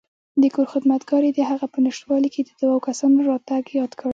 د کور خدمتګار یې دهغه په نشتوالي کې د دوو کسانو راتګ یاد کړ.